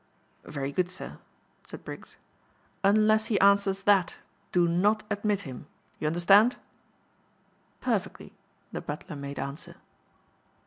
'" "Very good, sir," said Briggs. "Unless he answers that, do not admit him. You understand?" "Perfectly," the butler made answer.